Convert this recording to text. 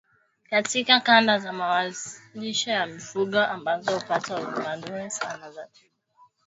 katika kanda za malisho ya mifugo ambazo hupata huduma duni sana za tiba